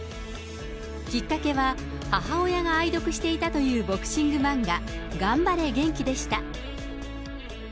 きっかけは、母親が愛読していたというボクシング漫画、がんばれ元気でした。